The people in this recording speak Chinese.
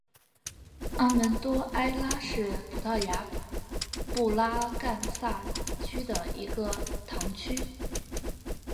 阿门多埃拉是葡萄牙布拉干萨区的一个堂区。